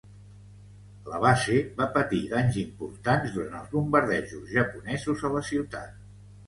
La base va patir danys importants durant els bombardejos japonesos a la ciutat.